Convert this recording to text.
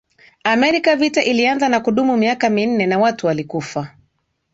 Amerika Vita ilianza na kudumu miaka minne na watu walikufa